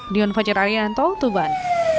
dion fajararyanto tuban